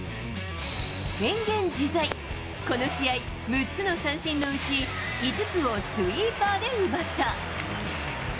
変幻自在、この試合、６つの三振のうち、５つをスイーパーで奪った。